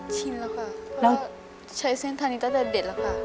ชินแล้วค่ะเพราะว่าใช้เส้นทางนี้ตั้งแต่เด็กแล้วค่ะ